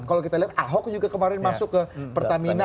kalau kita lihat ahok juga kemarin masuk ke pertamina